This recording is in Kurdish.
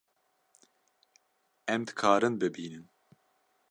Em dikarin bibînin